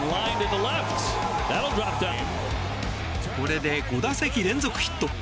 これで５打席連続ヒット。